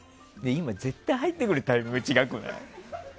今、絶対に入ってくるタイミング違くない？